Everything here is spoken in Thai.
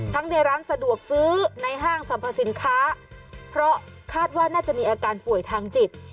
ในร้านสะดวกซื้อในห้างสรรพสินค้าเพราะคาดว่าน่าจะมีอาการป่วยทางจิต